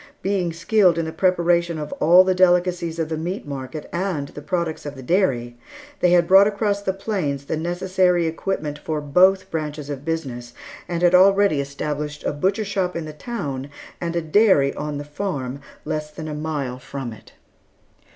Being skilled in the preparation of all the delicacies of the meat market, and the products of the dairy, they had brought across the plains the necessary equipment for both branches of business, and had already established a butcher shop in the town and a dairy on the farm, less than a mile from it.